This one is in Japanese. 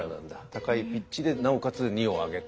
高いピッチでなおかつ二を上げて。